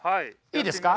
いいですか？